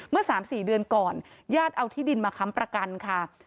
เมื่อ๓๔เดือนก่อนญาติเอาที่ดินมาค้ำประกันค่ะ